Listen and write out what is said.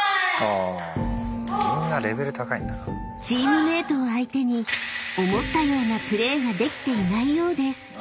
［チームメートを相手に思ったようなプレーができていないようです］